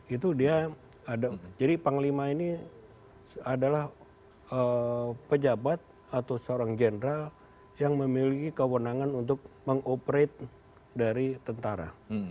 itu dia ada jadi panglima ini adalah pejabat atau seorang jenderal yang memiliki kewenangan untuk mengoperate dari tentara